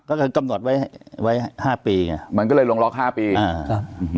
ก็คือกำหนดไว้ไว้ห้าปีไงมันก็เลยลองรองแรกห้าปีอ่า